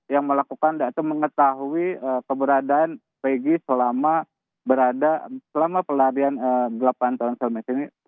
yang melakukan atau mengetahui keberadaan peggy selama pelarian delapan tahun selmes ini